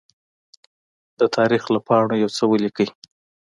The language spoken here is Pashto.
د تاریخ له پاڼو يوڅه ولیکئ!